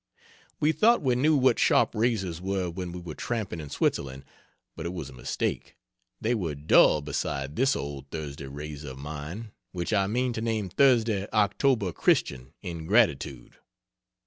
We thought we knew what sharp razors were when we were tramping in Switzerland, but it was a mistake they were dull beside this old Thursday razor of mine which I mean to name Thursday October Christian, in gratitude.